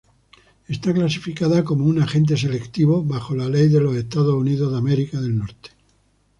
Está clasificada como un "agente selectivo" bajo la ley de Estados Unidos.